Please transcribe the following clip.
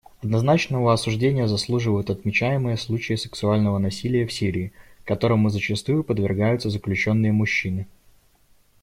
Однозначного осуждения заслуживают отмечаемые случаи сексуального насилия в Сирии, которому зачастую подвергаются заключенные-мужчины.